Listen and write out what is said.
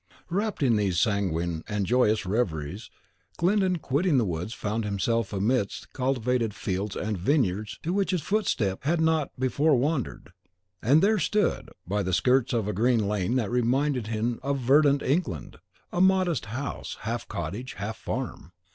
Wrapped in these sanguine and joyous reveries, Glyndon, quitting the woods, found himself amidst cultivated fields and vineyards to which his footstep had not before wandered; and there stood, by the skirts of a green lane that reminded him of verdant England, a modest house, half cottage, half farm.